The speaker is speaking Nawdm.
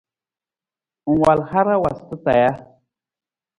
Ng wal hara waasata taa ja?